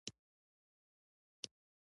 په چاپلوسانه انداز ورته موسکای شو